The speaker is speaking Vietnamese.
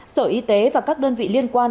sở y tế và các đơn vị liên quan